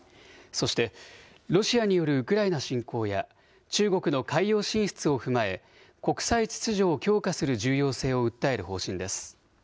そして、ロシアによるウクライナ侵攻や、中国の海洋進出を踏まえ、国際秩序を強化する重要性を訴える方針です。